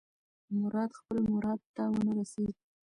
مراد خپل مراد ته ونه رسېد.